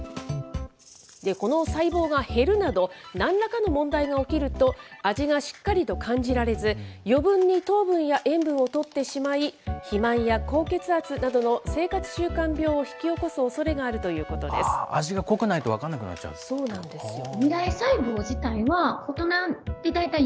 この細胞が減るなど、なんらかの問題が起きると、味がしっかりと感じられず、余分に糖分や塩分をとってしまい、肥満や高血圧などの生活習慣病を引き起こすおそれがあるというこ味が濃くないと分かんなくなそうなんですよ。